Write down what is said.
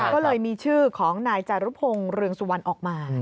ก็เลยมีชื่อของนายจารุพงศ์เรืองสุวรรณออกมา